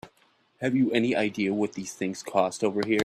Have you any idea what these things cost over here?